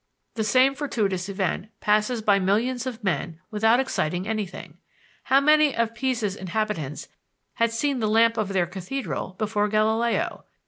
The same fortuitous event passes by millions of men without exciting anything. How many of Pisa's inhabitants had seen the lamp of their cathedral before Galileo!